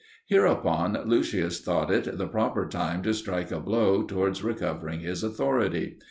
Hereupon, Lucius thought it the proper time to strike a blow towards recovering his authority.